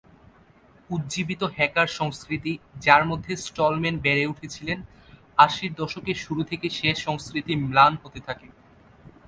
উজ্জীবিত হ্যাকার সংস্কৃতি যার মধ্যে স্টলম্যান বেড়ে উঠেছিলেন, আশির দশকের শুরুতে সে সংস্কৃতি ম্লান হতে থাকে।